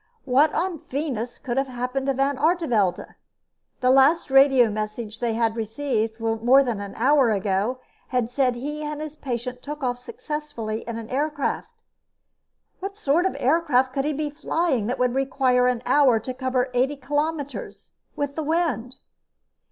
What on Venus could have happened to Van Artevelde? The last radio message they had received, more than an hour ago, had said he and the patient took off successfully in an aircraft. What sort of aircraft could he be flying that would require an hour to cover eighty kilometers, with the wind?